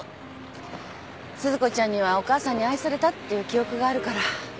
鈴子ちゃんにはお母さんに愛されたっていう記憶があるから。